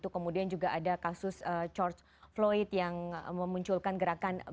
kemudian juga ada kasus george floyd yang memunculkan gerakan black panther